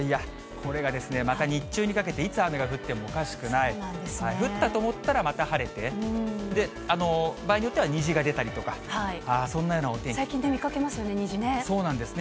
これがですね、また日中にかけていつ雨が降ってもおかしくない、降ったと思ったらまた晴れて、場合によっては虹が出たりとか、最近見かけますね、虹ね。